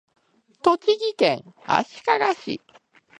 栃木県足利市